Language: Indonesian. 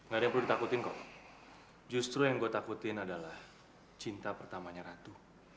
gak ada yang perlu ditakutin kok justru yang gue takutin adalah cinta pertamanya ratu